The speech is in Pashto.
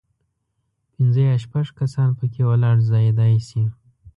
پنځه یا شپږ کسان په کې ولاړ ځایېدای شي.